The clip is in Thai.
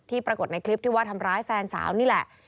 ปรากฏในคลิปที่ว่าทำร้ายแฟนสาวนี่แหละ